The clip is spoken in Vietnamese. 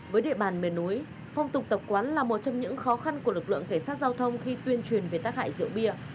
với địa bàn miền núi phong tục tập quán là một trong những khó khăn của lực lượng cảnh sát giao thông khi tuyên truyền về tác hại rượu bia